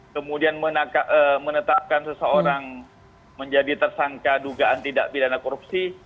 kemudian menetapkan seseorang menjadi tersangka dugaan tidak pidana korupsi